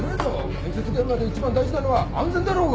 建設現場で一番大事なのは安全だろうが。